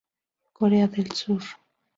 Corea del Sur.